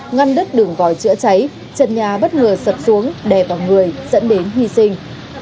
ngăn đứt đường gói chữa cháy trận nhà bất ngờ sập xuống đè vào người dẫn đến hy sinh